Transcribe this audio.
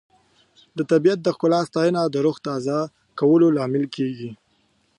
د طبیعت د ښکلا ستاینه د روح تازه کولو لامل کیږي.